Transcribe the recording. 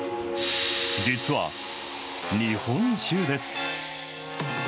実は、日本酒です。